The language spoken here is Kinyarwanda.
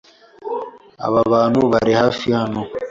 Aba ahantu hafi hano.